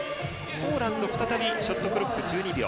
ポーランド、再びショットクロック１２秒。